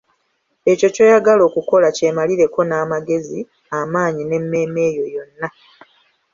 Ekyo ky'oyagala okukola kyemalireko n'amagezi, amaanyi n'emmeeme yo yonna.